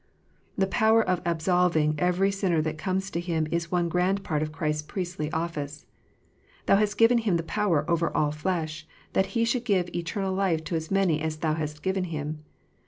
The power of absolving every sinner that comes to Him is one grand part of Christ s priestly office. " Thou hast given him power over all flesh, that He should give eternal life to as many as Thou hast given Him."